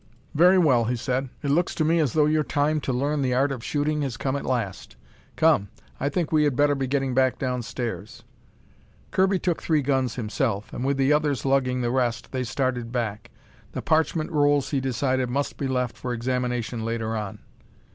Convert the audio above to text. "Very well," he said. "It looks to me as though your time to learn the art of shooting has come at last. Come, I think we had better be getting back downstairs." Kirby took three guns himself, and with the others lugging the rest, they started back. The parchment rolls, he decided, must be left for examination later on.